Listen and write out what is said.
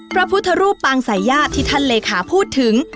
พระพุทธรูปปางสายญาติที่ท่านเลขาพูดถึง